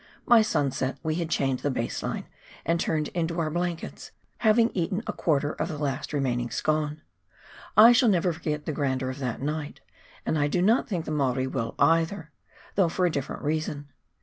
By sunset we had chained a base line and turned into our blankets, having eaten a quarter of the last remaining scone. I shall never forget the grandeur of that night — and I do not think the Maori will either, though for a different reason.